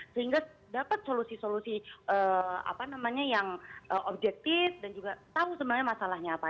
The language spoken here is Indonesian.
sehingga dapat solusi solusi apa namanya yang objektif dan juga tahu sebenarnya masalahnya apa